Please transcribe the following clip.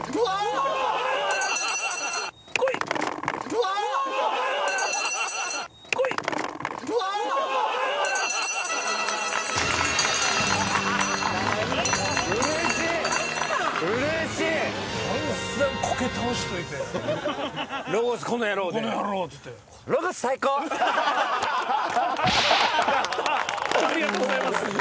ありがとうございます。